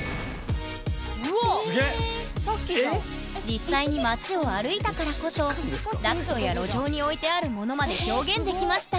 実際に街を歩いたからこそダクトや路上に置いてあるものまで表現できました